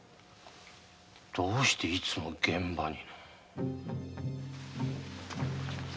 どうしていつも現場に？